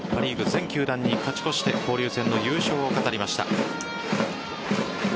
全球団に勝ち越して交流戦の優勝を飾りました。